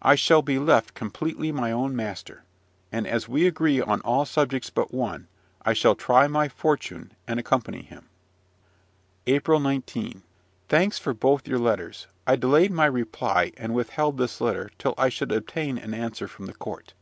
I shall be left completely my own master; and, as we agree on all subjects but one, I shall try my fortune, and accompany him. APRIL 19. Thanks for both your letters. I delayed my reply, and withheld this letter, till I should obtain an answer from the court.